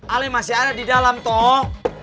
ale masih ada di dalam tol